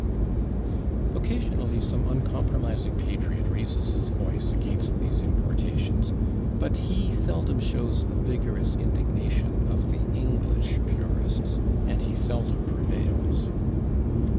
Occasionally, some uncompromising patriot raises his voice against these importations, but he seldom shows the vigorous indignation of the English purists, and he seldom prevails.